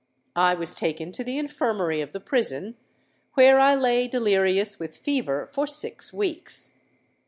I was taken to the infirmary of the prison, where I lay delirious with fever for six weeks.